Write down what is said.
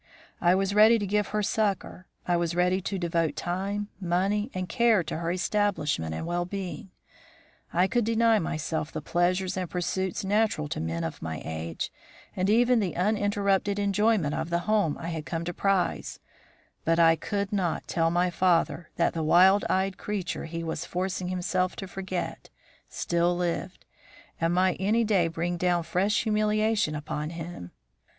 I was ready to give her succour; I was ready to devote time, money, and care to her establishment and well being; I could deny myself the pleasures and pursuits natural to men of my age, and even the uninterrupted enjoyment of the home I had come to prize, but I could not tell my father that the wild eyed creature he was forcing himself to forget, still lived, and might any day bring down fresh humiliation upon him.